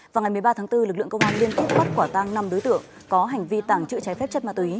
vào ngày một mươi ba tháng bốn lực lượng công an liên tục bắt quả tăng năm đối tượng có hành vi tàng trữ trái phép chất ma túy